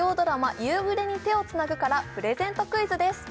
「夕暮れに、手をつなぐ」からプレゼントクイズです